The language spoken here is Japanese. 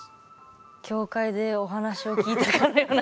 教会でお話を聞いたかのような気持ち。